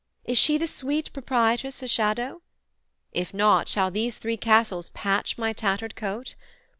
Is she The sweet proprietress a shadow? If not, Shall those three castles patch my tattered coat?